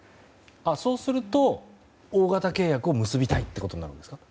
そうすると大型契約を結びたいとなるんですか？